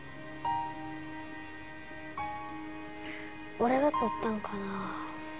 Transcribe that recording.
俺が撮ったんかな？